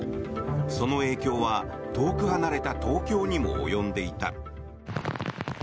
その影響は遠く離れた東京にも及んでいた。